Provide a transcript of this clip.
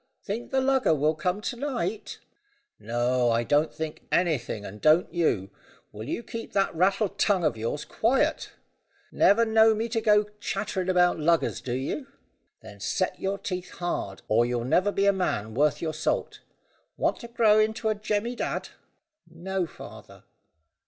"Think the lugger will come to night?" "No, I don't think anything, and don't you. Will you keep that rattle tongue of yours quiet? Never know me go chattering about luggers, do you?" "No, father." "Then set your teeth hard, or you'll never be a man worth your salt. Want to grow into a Jemmy Dadd?" "No, father."